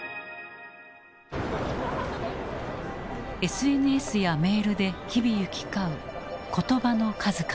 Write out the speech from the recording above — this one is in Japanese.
ＳＮＳやメールで日々行き交う言葉の数々。